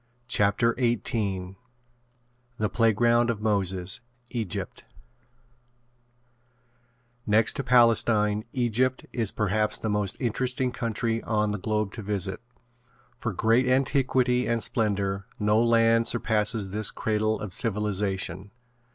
CHAPTER XVIII THE PLAYGROUND OF MOSES EGYPT Next to Palestine, Egypt is perhaps the most interesting country on the globe to visit. For great antiquity and splendor no land surpasses this cradle of civilization.